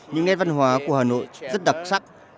những nét văn hóa của hà nội rất đặc sắc